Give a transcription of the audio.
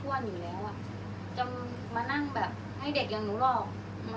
อันไหนที่มันไม่จริงแล้วอาจารย์อยากพูด